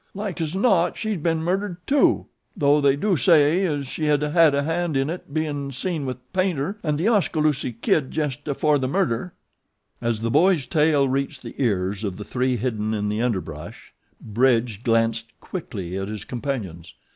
Like es not she's been murdered too, though they do say as she had a hand in it, bein' seen with Paynter an' The Oskaloosie Kid jest afore the murder." As the boy's tale reached the ears of the three hidden in the underbrush Bridge glanced quickly at his companions.